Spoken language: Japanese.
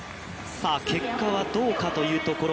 結果はどうかというところ。